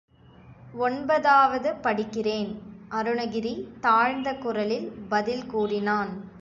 ஒன்பதாவது படிக்கிறேன், அருணகிரி தாழ்ந்த குரலில் பதில் கூறினான்.